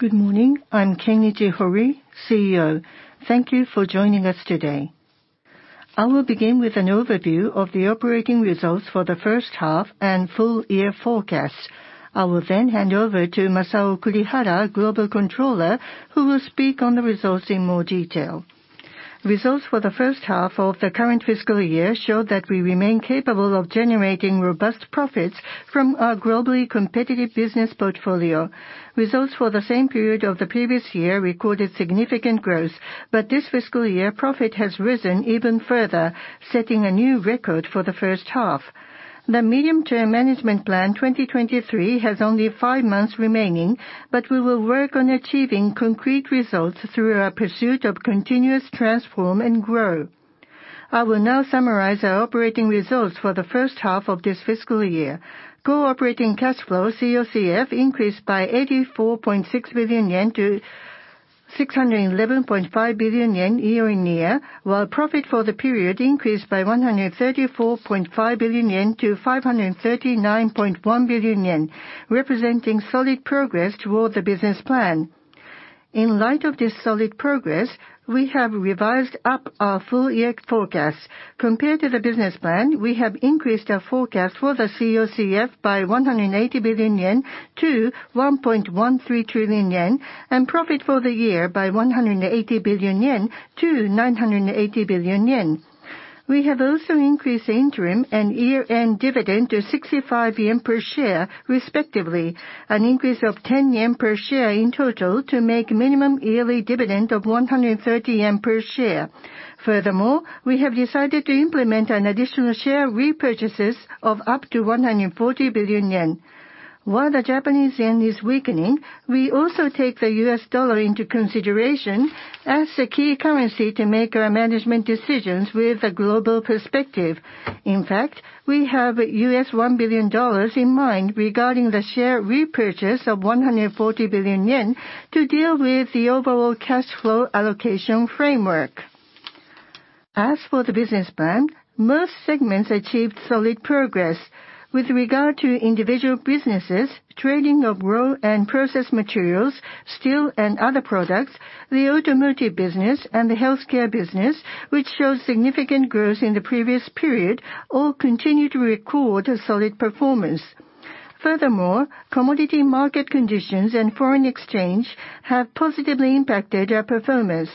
Good morning. I'm Kenichi Hori, CEO. Thank you for joining us today. I will begin with an overview of the operating results for the first half and full year forecast. I will then hand over to Masao Kurihara, Global Controller, who will speak on the results in more detail. Results for the first half of the current fiscal year show that we remain capable of generating robust profits from our globally competitive business portfolio. Results for the same period of the previous year recorded significant growth. This fiscal year, profit has risen even further, setting a new record for the first half. The Medium-term Management Plan 2023 has only five months remaining, but we will work on achieving concrete results through our pursuit of continuous transform and grow. I will now summarize our operating results for the first half of this fiscal year. Core operating cash flow, COCF, increased by 84.6 billion yen to 611.5 billion yen year-on-year. While profit for the period increased by 134.5 billion yen to 539.1 billion yen, representing solid progress toward the business plan. In light of this solid progress, we have revised up our full year forecast. Compared to the business plan, we have increased our forecast for the COCF by 180 billion yen to 1.13 trillion yen. Profit for the year by 180 billion yen to 980 billion yen. We have also increased the interim and year-end dividend to 65 yen per share respectively, an increase of 10 yen per share in total to make minimum yearly dividend of 130 yen per share. Furthermore, we have decided to implement an additional share repurchases of up to 140 billion yen. While the Japanese yen is weakening, we also take the U.S. dollar into consideration as the key currency to make our management decisions with a global perspective. In fact, we have $1 billion in mind regarding the share repurchase of 140 billion yen to deal with the overall cash flow allocation framework. As for the business plan, most segments achieved solid progress. With regard to individual businesses, trading of raw and processed materials, steel and other products, the automotive business and the healthcare business, which showed significant growth in the previous period, all continue to record a solid performance. Furthermore, commodity market conditions and foreign exchange have positively impacted our performance.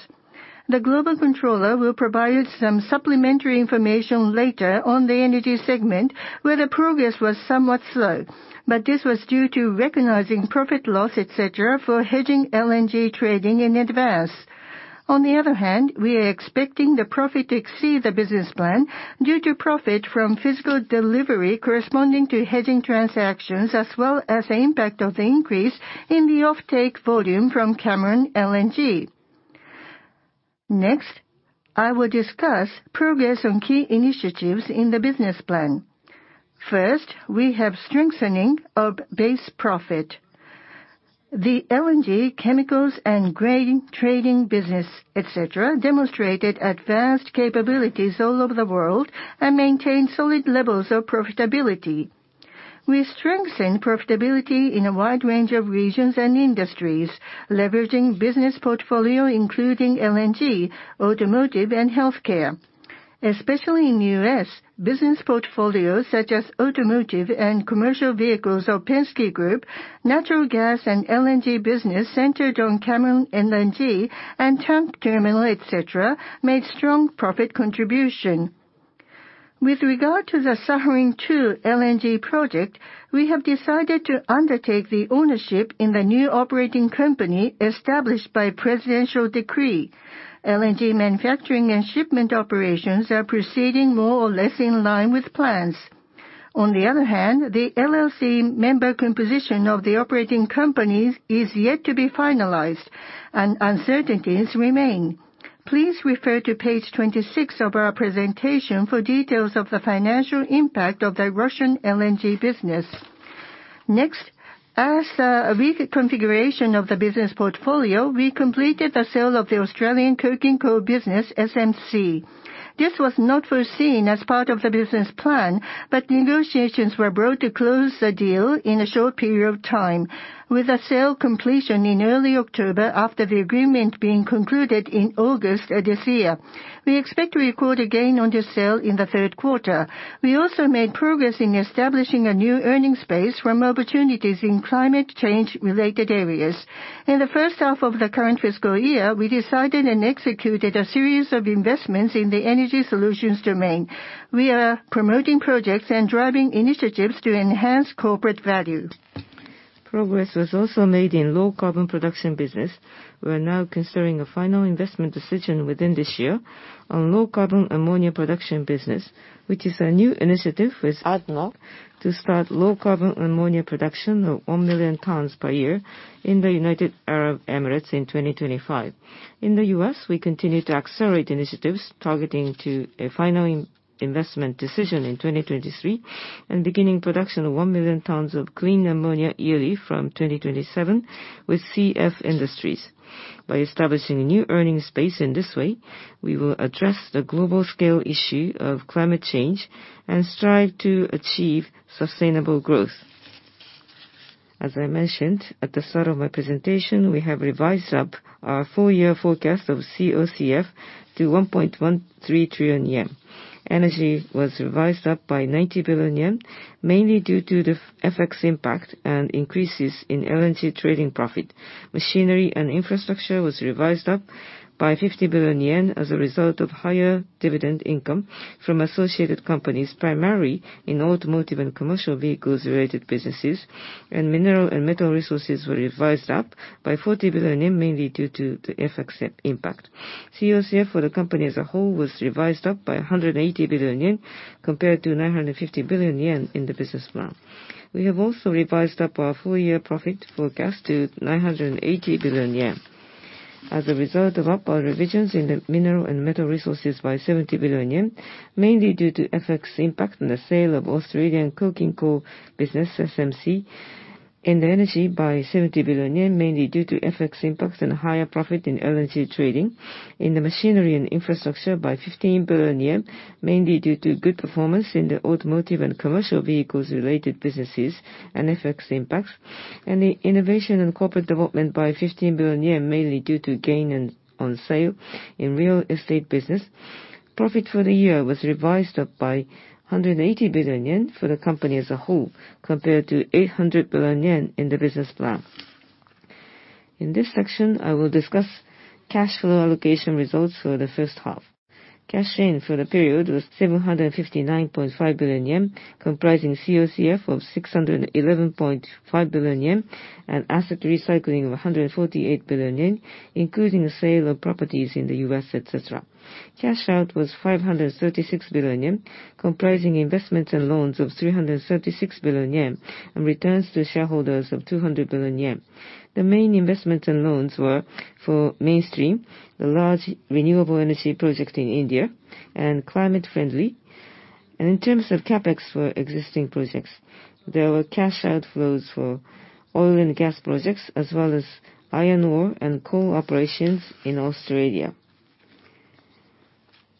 The Global Controller will provide some supplementary information later on the energy segment, where the progress was somewhat slow. This was due to recognizing profit loss, et cetera, for hedging LNG trading in advance. On the other hand, we are expecting the profit to exceed the business plan due to profit from physical delivery corresponding to hedging transactions as well as the impact of the increase in the offtake volume from Cameron LNG. Next, I will discuss progress on key initiatives in the business plan. First, we have strengthening of base profit. The LNG, chemicals, and grain trading business, et cetera, demonstrated advanced capabilities all over the world and maintained solid levels of profitability. We strengthen profitability in a wide range of regions and industries, leveraging business portfolio including LNG, automotive, and healthcare. Especially in U.S., business portfolios such as automotive and commercial vehicles of Penske Group, natural gas and LNG business centered on Cameron LNG and tank terminal, et cetera, made strong profit contribution. With regard to the Sakhalin-2 LNG project, we have decided to undertake the ownership in the new operating company established by presidential decree. LNG manufacturing and shipment operations are proceeding more or less in line with plans. On the other hand, the LLC member composition of the operating companies is yet to be finalized, and uncertainties remain. Please refer to page 26 of our presentation for details of the financial impact of the Russian LNG business. Next, as a reconfiguration of the business portfolio, we completed the sale of the Australian coking coal business, SMC. This was not foreseen as part of the business plan, but negotiations were brought to close the deal in a short period of time with a sale completion in early October after the agreement being concluded in August of this year. We expect to record a gain on this sale in the third quarter. We also made progress in establishing a new earning space from opportunities in climate change-related areas. In the first half of the current fiscal year, we decided and executed a series of investments in the energy solutions domain. We are promoting projects and driving initiatives to enhance corporate value. Progress was also made in low carbon production business. We're now considering a final investment decision within this year on low carbon ammonia production business, which is a new initiative with ADNOC to start low carbon ammonia production of one million tons per year in the United Arab Emirates in 2025. In the U.S., we continue to accelerate initiatives targeting to a final investment decision in 2023 and beginning production of one million tons of clean ammonia yearly from 2027 with CF Industries. By establishing new earning space in this way, we will address the global scale issue of climate change and strive to achieve sustainable growth. As I mentioned at the start of my presentation, we have revised up our full year forecast of COCF to 1.13 trillion yen. Energy was revised up by 90 billion yen, mainly due to the FX impact and increases in LNG trading profit. Machinery and infrastructure was revised up by 50 billion yen as a result of higher dividend income from associated companies, primarily in automotive and commercial vehicles-related businesses. Mineral and metal resources were revised up by 40 billion, mainly due to the FX impact. COCF for the company as a whole was revised up by 180 billion yen compared to 950 billion yen in the business plan. We have also revised up our full year profit forecast to 980 billion yen. As a result of upward revisions in the mineral and metal resources by 70 billion yen, mainly due to FX impact and the sale of Australian coking coal business, SMC. In the energy by 70 billion yen, mainly due to FX impacts and higher profit in LNG trading. In the machinery and infrastructure by 15 billion yen, mainly due to good performance in the automotive and commercial vehicles-related businesses and FX impacts. In the innovation and corporate development by 15 billion yen, mainly due to gain on sale in real estate business. Profit for the year was revised up by 180 billion yen for the company as a whole, compared to 800 billion yen in the business plan. In this section, I will discuss cash flow allocation results for the first half. Cash in for the period was 759.5 billion yen, comprising COCF of 611.5 billion yen and asset recycling of 148 billion yen, including the sale of properties in the U.S., et cetera. Cash out was 536 billion yen, comprising investments and loans of 336 billion yen and returns to shareholders of 200 billion yen. The main investments and loans were for Mainstream, the large renewable energy project in India, and Climate Friendly. In terms of CapEx for existing projects, there were cash outflows for oil and gas projects, as well as iron ore and coal operations in Australia.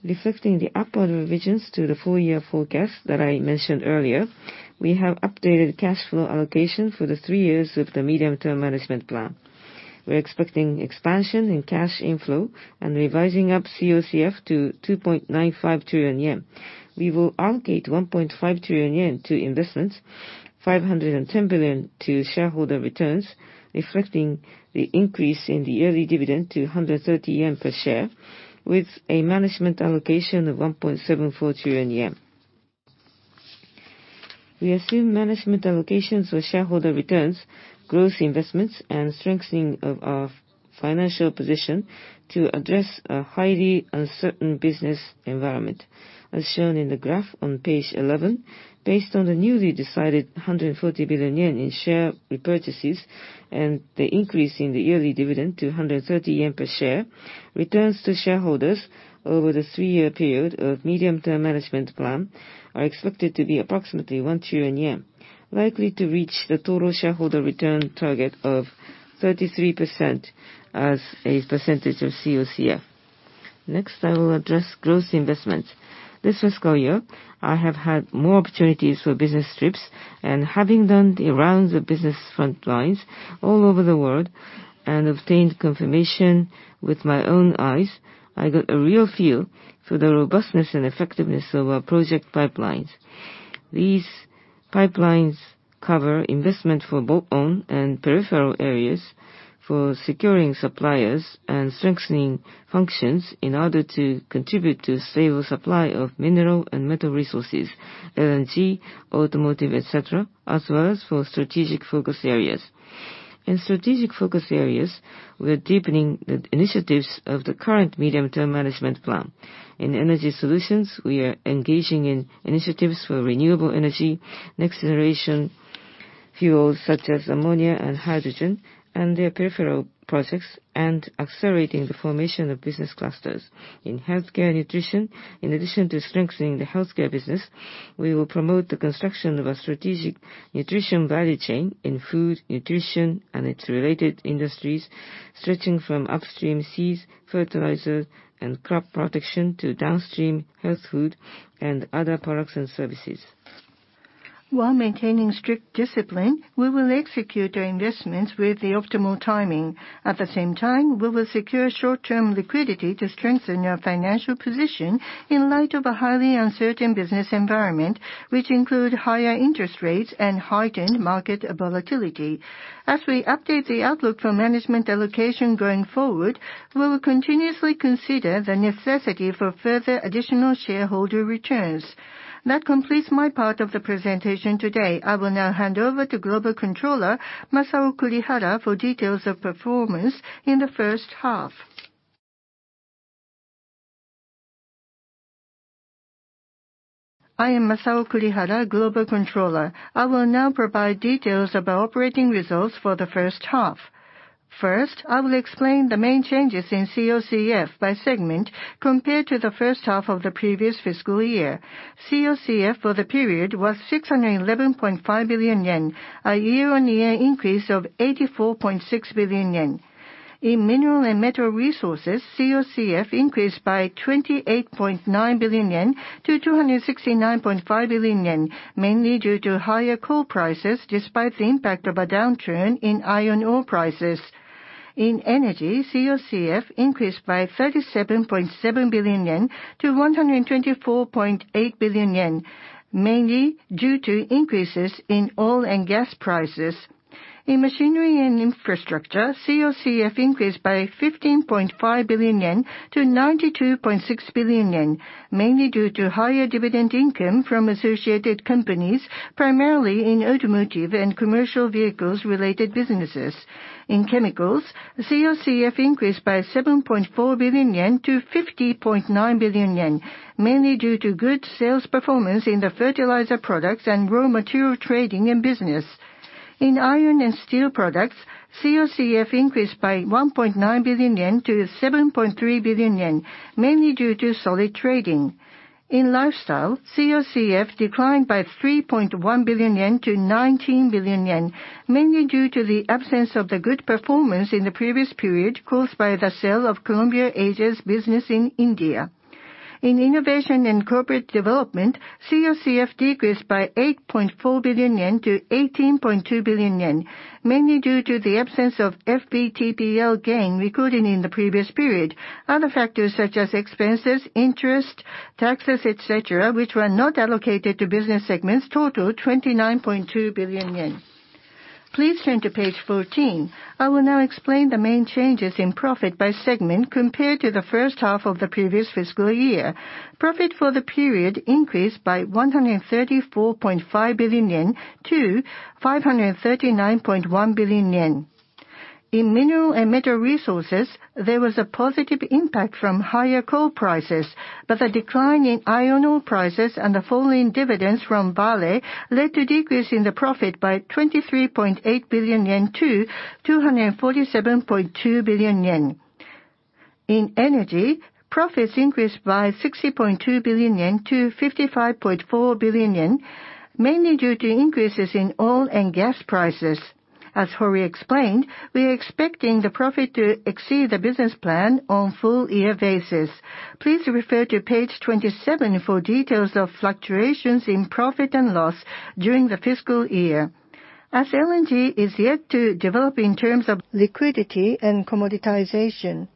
Reflecting the upward revisions to the full year forecast that I mentioned earlier, we have updated cash flow allocation for the three years of the Medium-term Management Plan. We're expecting expansion in cash inflow and revising up COCF to 2.95 trillion yen. We will allocate 1.5 trillion yen to investments, 510 billion to shareholder returns, reflecting the increase in the yearly dividend to 130 yen per share, with a management allocation of 1.74 trillion yen. We assume management allocations for shareholder returns, growth investments, and strengthening of our financial position to address a highly uncertain business environment. As shown in the graph on page 11, based on the newly decided 140 billion yen in share repurchases and the increase in the yearly dividend to 130 yen per share, returns to shareholders over the three-year period of Medium-term Management Plan are expected to be approximately 1 trillion yen, likely to reach the total shareholder return target of 33% as a percentage of COCF. Next, I will address growth investments. This fiscal year, I have had more opportunities for business trips. Having done the rounds of business front lines all over the world and obtained confirmation with my own eyes, I got a real feel for the robustness and effectiveness of our project pipelines. These pipelines cover investment for both owned and peripheral areas for securing suppliers and strengthening functions in order to contribute to stable supply of mineral and metal resources, LNG, automotive, et cetera, as well as for strategic focus areas. In strategic focus areas, we're deepening the initiatives of the current medium-term management plan. In energy solutions, we are engaging in initiatives for renewable energy, next-generation fuels, such as ammonia and hydrogen, and their peripheral projects, and accelerating the formation of business clusters. In healthcare and nutrition, in addition to strengthening the healthcare business, we will promote the construction of a strategic nutrition value chain in food, nutrition, and its related industries, stretching from upstream seeds, fertilizer, and crop protection to downstream health food and other products and services. While maintaining strict discipline, we will execute our investments with the optimal timing. At the same time, we will secure short-term liquidity to strengthen our financial position in light of a highly uncertain business environment, which include higher interest rates and heightened market volatility. As we update the outlook for management allocation going forward, we will continuously consider the necessity for further additional shareholder returns. That completes my part of the presentation today. I will now hand over to Global Controller Masao Kurihara for details of performance in the first half. I am Masao Kurihara, Global Controller. I will now provide details about operating results for the first half. First, I will explain the main changes in COCF by segment compared to the first half of the previous fiscal year. COCF for the period was 611.5 billion yen, a year-on-year increase of 84.6 billion yen. In mineral and metal resources, COCF increased by 28.9 billion yen to 269.5 billion yen, mainly due to higher coal prices despite the impact of a downturn in iron ore prices. In energy, COCF increased by 37.7 billion yen to 124.8 billion yen, mainly due to increases in oil and gas prices. In machinery and infrastructure, COCF increased by 15.5 billion yen to 92.6 billion yen, mainly due to higher dividend income from associated companies, primarily in automotive and commercial vehicles-related businesses. In chemicals, COCF increased by 7.4 billion yen to 50.9 billion yen, mainly due to good sales performance in the fertilizer products and raw material trading and business. In iron and steel products, COCF increased by 1.9 billion yen to 7.3 billion yen, mainly due to solid trading. In lifestyle, COCF declined by 3.1 billion yen to 19 billion yen, mainly due to the absence of the good performance in the previous period caused by the sale of Columbia Asia's business in India. In innovation and corporate development, COCF decreased by 8.4 billion yen to 18.2 billion yen, mainly due to the absence of FVTPL gain recorded in the previous period. Other factors such as expenses, interest, taxes, et cetera, which were not allocated to business segments, total 29.2 billion yen. Please turn to page 14. I will now explain the main changes in profit by segment compared to the first half of the previous fiscal year. Profit for the period increased by 134.5 billion yen to 539.1 billion yen. In mineral and metal resources, there was a positive impact from higher coal prices. The decline in iron ore prices and the fall in dividends from Vale led to decrease in the profit by 23.8 billion yen to 247.2 billion yen. In energy, profits increased by 60.2 billion yen to 55.4 billion yen, mainly due to increases in oil and gas prices. As Hori explained, we are expecting the profit to exceed the business plan on full year basis. Please refer to page 27 for details of fluctuations in profit and loss during the fiscal year. As LNG is yet to develop in terms of liquidity and commoditization,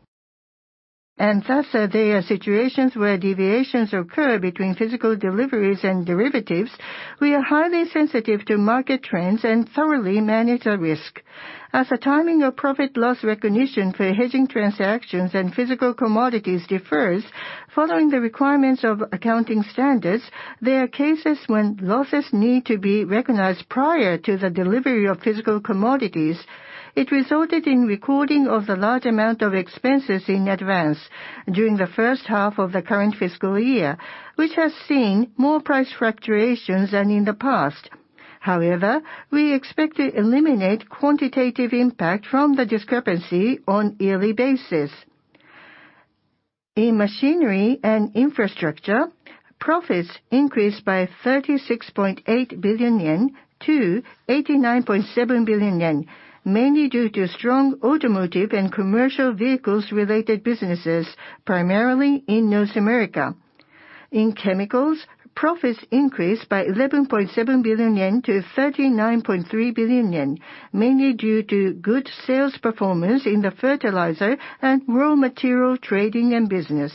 and thus there are situations where deviations occur between physical deliveries and derivatives, we are highly sensitive to market trends and thoroughly manage our risk. As the timing of profit/loss recognition for hedging transactions and physical commodities differs following the requirements of accounting standards, there are cases when losses need to be recognized prior to the delivery of physical commodities. It resulted in recording of the large amount of expenses in advance during the first half of the current fiscal year, which has seen more price fluctuations than in the past. However, we expect to eliminate quantitative impact from the discrepancy on a yearly basis. In machinery and infrastructure, profits increased by 36.8 billion yen to 89.7 billion yen, mainly due to strong automotive and commercial vehicles-related businesses, primarily in North America. In chemicals, profits increased by 11.7 billion yen to 39.3 billion yen, mainly due to good sales performance in the fertilizer and raw material trading and business.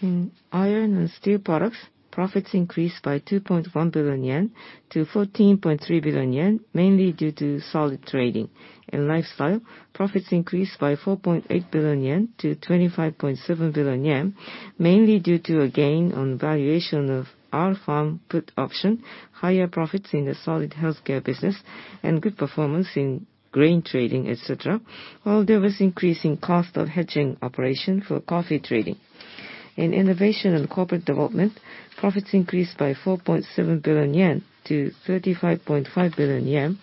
In iron and steel products, profits increased by 2.1 billion yen to 14.3 billion yen, mainly due to solid trading. In lifestyle, profits increased by 4.8 billion yen to 25.7 billion yen, mainly due to a gain on valuation of our firm put option, higher profits in the solid healthcare business, and good performance in grain trading, et cetera. While there was increasing cost of hedging operation for coffee trading. In innovation and corporate development, profits increased by 4.7 billion yen to 35.5 billion yen,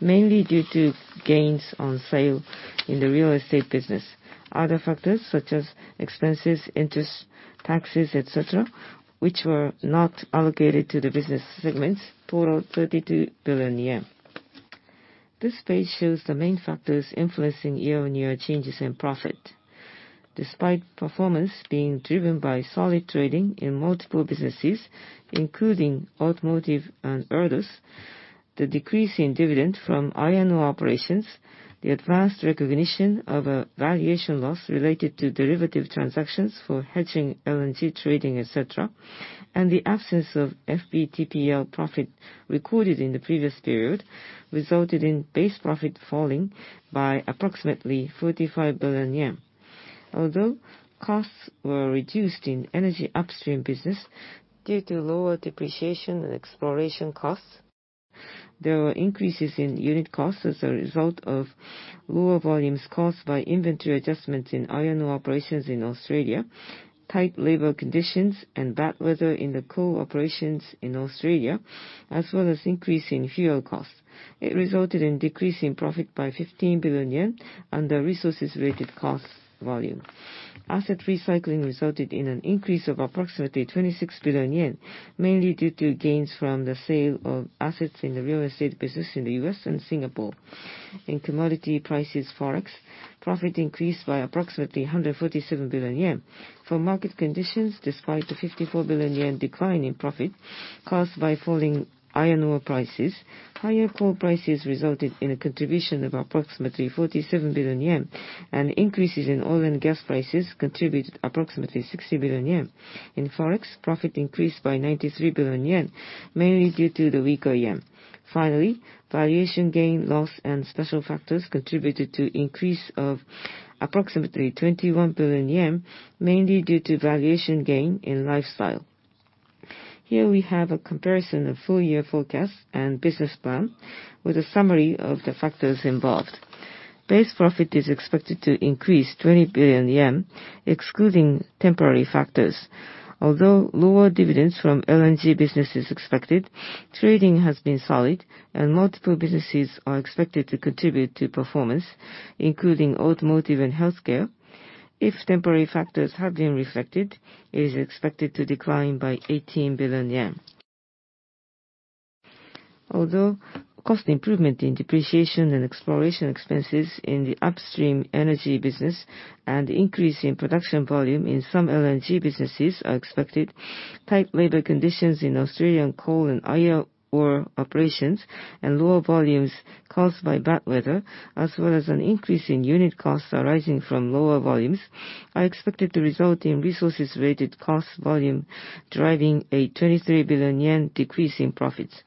mainly due to gains on sale in the real estate business. Other factors such as expenses, interest, taxes, et cetera, which were not allocated to the business segments, total 32 billion yen. This page shows the main factors influencing year-on-year changes in profit. Despite performance being driven by solid trading in multiple businesses, including automotive and Erdos, the decrease in dividend from iron ore operations, the advance recognition of a valuation loss related to derivative transactions for hedging LNG trading, etc., and the absence of FVTPL profit recorded in the previous period resulted in base profit falling by approximately 45 billion yen. Although costs were reduced in energy upstream business due to lower depreciation and exploration costs, there were increases in unit costs as a result of lower volumes caused by inventory adjustments in iron ore operations in Australia, tight labor conditions, and bad weather in the coal operations in Australia, as well as increasing fuel costs. It resulted in decrease in profit by 15 billion yen under resources-related costs volume. Asset recycling resulted in an increase of approximately 26 billion yen, mainly due to gains from the sale of assets in the real estate business in the U.S. and Singapore. In commodity prices, Forex profit increased by approximately 147 billion yen. For market conditions, despite the 54 billion yen decline in profit caused by falling iron ore prices, higher coal prices resulted in a contribution of approximately 47 billion yen, and increases in oil and gas prices contributed approximately 60 billion yen. In Forex, profit increased by 93 billion yen, mainly due to the weaker yen. Finally, valuation gain, loss, and special factors contributed to increase of approximately 21 billion yen, mainly due to valuation gain in lifestyle. Here we have a comparison of full year forecast and business plan with a summary of the factors involved. Base profit is expected to increase 20 billion yen, excluding temporary factors. Although lower dividends from LNG business is expected, trading has been solid and multiple businesses are expected to contribute to performance, including automotive and healthcare. If temporary factors have been reflected, it is expected to decline by 18 billion yen. Although cost improvement in depreciation and exploration expenses in the upstream energy business and increase in production volume in some LNG businesses are expected, tight labor conditions in Australian coal and iron ore operations and lower volumes caused by bad weather, as well as an increase in unit costs arising from lower volumes, are expected to result in resources-related cost volume driving a 23 billion yen decrease in profits.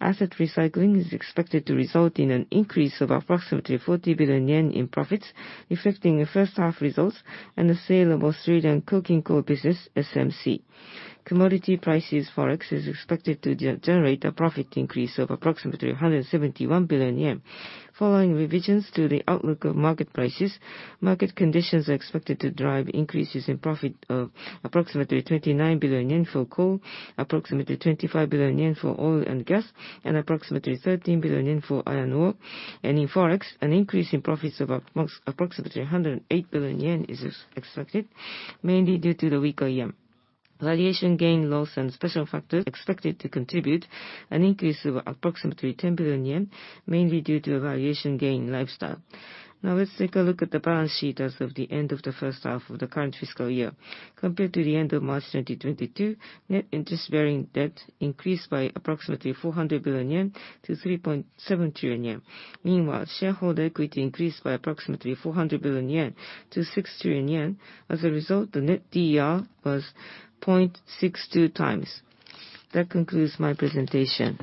Asset recycling is expected to result in an increase of approximately 40 billion yen in profits, affecting the first half results and the sale of Australian coking coal business, SMC. Commodity prices. Forex is expected to generate a profit increase of approximately 171 billion yen. Following revisions to the outlook of market prices, market conditions are expected to drive increases in profit of approximately 29 billion yen for coal, approximately 25 billion yen for oil and gas, and approximately 13 billion yen for iron ore. In Forex, an increase in profits of approximately 108 billion yen is expected, mainly due to the weaker yen. Valuation gain, loss, and special factors expected to contribute an increase of approximately 10 billion yen, mainly due to a valuation gain in lifestyle. Now let's take a look at the balance sheet as of the end of the first half of the current fiscal year. Compared to the end of March 2022, net interest-bearing debt increased by approximately 400 billion yen to 3.7 trillion yen. Meanwhile, shareholder equity increased by approximately 400 billion yen to 6 trillion yen. As a result, the Net DER was 0.62x. That concludes my presentation.